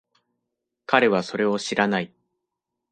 彼はそれを知らない。